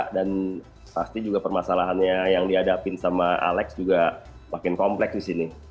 dan pasti juga permasalahannya yang diadapin sama alex juga makin kompleks di sini